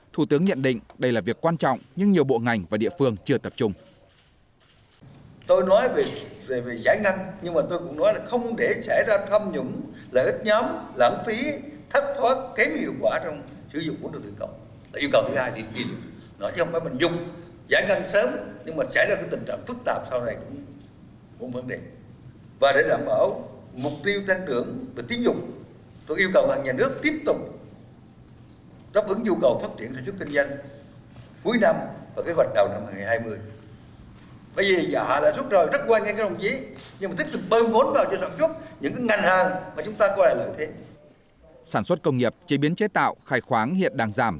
thủ tướng nhận định đây là việc quan trọng nhưng nhiều bộ ngành và địa phương chưa tập trung